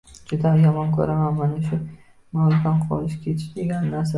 Juda yomon ko‘raman mana shu "Mavzudan qolib ketish" degan narsani.